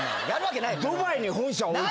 ドバイに本社を置いて。